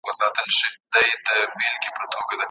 ما په دغه کمپیوټر کي د هیلو د بریا کیسې ولیکلې.